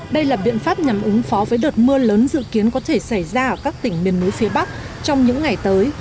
đây là biện pháp nhằm ứng phó với đợt mưa lớn dự kiến có thể xảy ra ở các tỉnh miền núi phía bắc trong những ngày tới